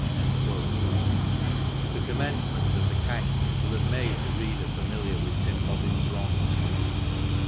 ^^ The commencement of the Cank will have made the reader fiuni liar with Tim Bobbin'^s wrongs.